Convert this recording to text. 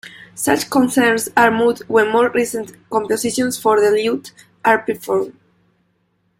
Such concerns are moot when more recent compositions for the lute are performed.